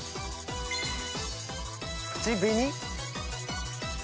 口紅？